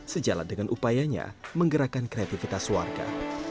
sejalan dengan upayanya menggerakkan kreativitas warga